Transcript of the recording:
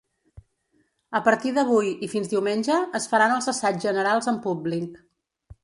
A partir d’avui i fins diumenge, es faran els assaigs generals amb públic.